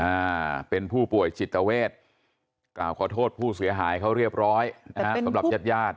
อ่าเป็นผู้ป่วยจิตเวทกล่าวขอโทษผู้เสียหายเขาเรียบร้อยนะฮะสำหรับญาติญาติ